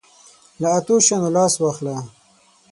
له اتو شیانو لاس واخله.